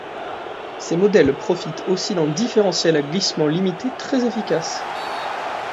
Ces modèles profitent aussi d'un différentiel à glissement limité très efficace.